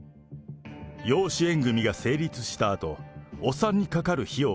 養子縁組が成立したあと、お産にかかる費用